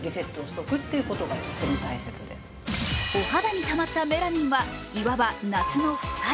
お肌にたまったメラニンは、いわば夏の負債。